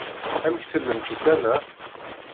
Amek tellamt ussan-a?